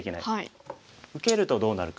受けるとどうなるか。